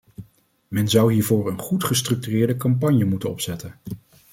Men zou hiervoor een goed gestructureerde campagne moeten opzetten.